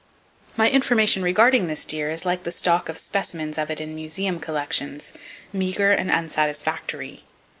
My information regarding this deer is like the stock of specimens of it in museum collections,—meager and unsatisfactory.